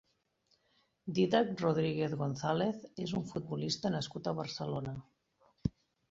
Didac Rodríguez González és un futbolista nascut a Barcelona.